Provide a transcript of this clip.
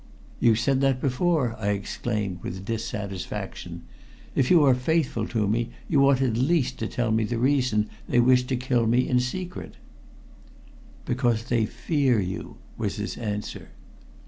"You said that before," I exclaimed with dissatisfaction. "If you are faithful to me, you ought at least to tell me the reason they wished to kill me in secret." "Because they fear you," was his answer.